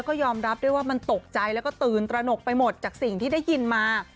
ก็ยอมรับด้วยว่ามันตกใจแล้วก็ตื่นตระหนกไปหมดจากสิ่งที่ได้ยินมา